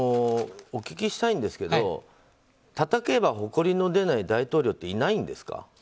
お聞きしたいんですけどたたけばほこりの出ない大統領っていないんですか？